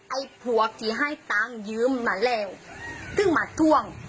ไอ้ผัวที่ให้ตังค์ยืมมาแล้วถึงมาท่วง